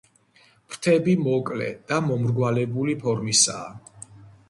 ფრთები მოკლე და მომრგვალებული ფორმისაა.